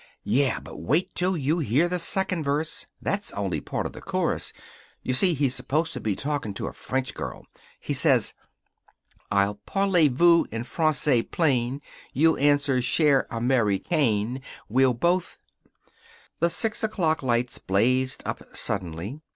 "Yeah, but wait till you hear the second verse. That's only part of the chorus. You see, he's supposed to be talking to a French girl. He says: 'I'll parlez vous in Francais plain You'll answer, "Cher Americain," We'll both ...'" The six o'clock lights blazed up suddenly.